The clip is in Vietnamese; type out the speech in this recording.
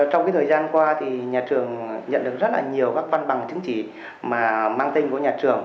trong thời gian qua thì nhà trường nhận được rất là nhiều các văn bằng chứng chỉ mà mang tên của nhà trường